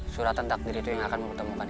suratan takdir itu yang akan mengetemukan kita